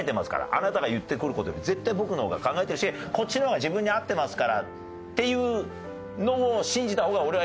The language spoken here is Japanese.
あなたが言ってくる事より絶対僕の方が考えてるしこっちの方が自分に合ってますからっていうのを信じた方が俺はいいと思う。